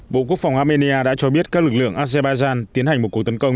bộ quốc phòng armenia đã cho biết các lực lượng azerbaijan tiến hành một cuộc tấn công